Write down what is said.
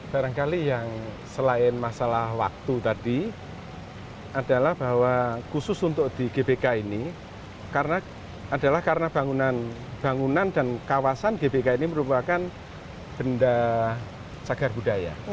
barangkali yang selain masalah waktu tadi adalah bahwa khusus untuk di gbk ini adalah karena bangunan dan kawasan gbk ini merupakan benda cagar budaya